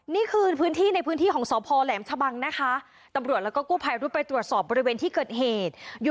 นี่คือพื้นที่ในพื้นที่ของสพแหลมชะบังนะคะตำรวจแล้วก็กู้ภัยรุดไปตรวจสอบบริเวณที่เกิดเหตุ